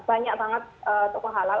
banyak banget toko halal